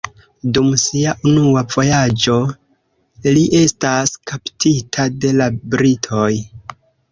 Dum sia unua vojaĝo li estas kaptita de la britoj.